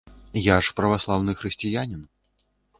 Я ж праваслаўны хрысціянін.